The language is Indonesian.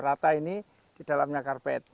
rata ini di dalamnya karpet